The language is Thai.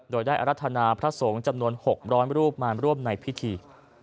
โดยได้อรรถนาพระสงฆ์จำนวน๖๐๐รูปมาร่วมในพิธี